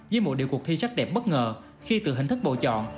dưới mùa điệu cuộc thi sắc đẹp bất ngờ khi từ hình thức bầu chọn